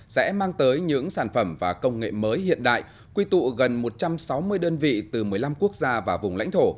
sẽ mang tới những sản phẩm và công nghệ mới hiện đại quy tụ gần một trăm sáu mươi đơn vị từ một mươi năm quốc gia và vùng lãnh thổ